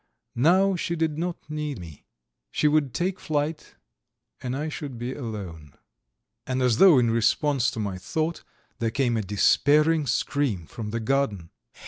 Now she did not need me. She would take flight, and I should be alone. And as though in response to my thought, there came a despairing scream from the garden.